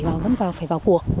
vẫn phải vào cuộc